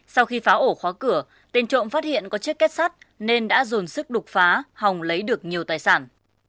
sau khi pháo ổ khóa cửa tên trộm phát hiện có chiếc kết sắt nên đã dồn sức đục phá hòng lấy được nhiều tài sản